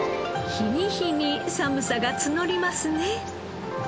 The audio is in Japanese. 日に日に寒さが募りますね。